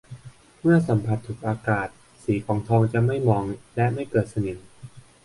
เมื่อสัมผัสถูกอากาศสีของทองจะไม่หมองและไม่เกิดสนิม